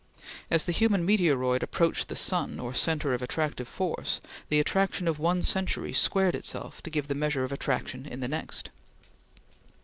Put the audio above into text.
As the human meteoroid approached the sun or centre of attractive force, the attraction of one century squared itself to give the measure of attraction in the next.